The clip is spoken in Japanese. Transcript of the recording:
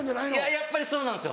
やっぱりそうなんですよ